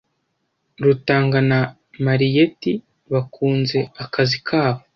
Rutanga na Mariyeti bakunze akazi kabo.